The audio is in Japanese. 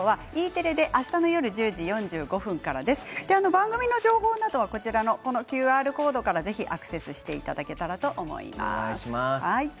番組の情報などはこちらのＱＲコードからぜひアクセスしていただけたらと思います。